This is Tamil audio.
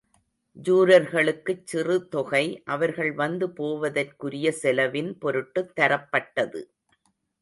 ஜூரர்களுக்குச் சிறு தொகை, அவர்கள் வந்து போவதற்குரிய செலவின் பொருட்டுத் தரப்பட்டது.